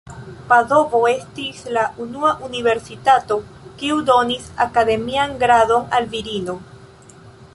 Padovo estis la unua universitato kiu donis akademian gradon al virino.